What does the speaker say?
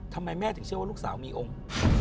ทำไมแม่ถึงเชื่อว่าลูกสาวมีองค์